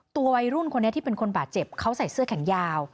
วัยรุ่นคนนี้ที่เป็นคนบาดเจ็บเขาใส่เสื้อแขนยาว